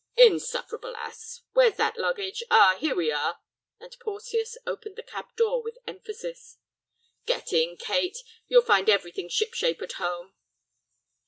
"Insufferable ass! Where's that luggage? Ah, here we are," and Porteus opened the cab door with emphasis. "Get in, Kate, you'll find everything shipshape at home."